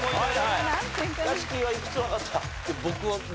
僕は。